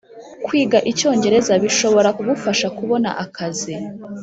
Kwiga Icyongereza bishobora kugufasha kubona akazi